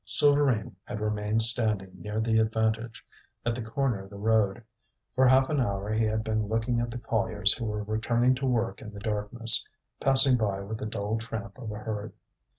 Souvarine had remained standing near the Avantage, at the corner of the road. For half an hour he had been looking at the colliers who were returning to work in the darkness, passing by with the dull tramp of a herd.